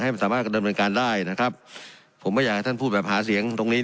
สามารถดำเนินการได้นะครับผมไม่อยากให้ท่านพูดแบบหาเสียงตรงนี้